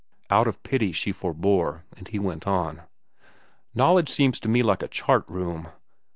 Out of pity she forebore, and he went on. "Knowledge seems to me like a chart room.